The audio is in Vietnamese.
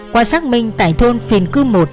qua xác minh tại thôn phiền cư một